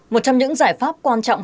một trong những giải pháp quan trọng